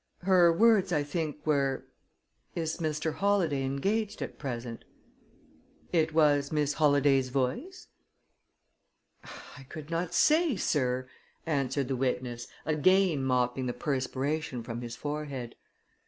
"Her words, I think, were, 'Is Mr. Holladay engaged at present?'" "It was Miss Holladay's voice?" "I could not say, sir," answered the witness, again mopping the perspiration from his forehead.